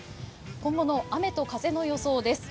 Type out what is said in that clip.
今後の雨と風の予想です。